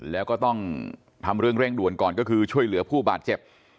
แล้วก็ต้องทำเรื่องเร่งด่วนก่อนก็คือช่วยเหลือผู้บาดเจ็บ